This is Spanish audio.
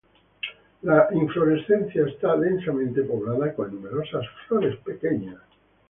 La inflorescencia está densamente poblada con numerosas flores pequeñas.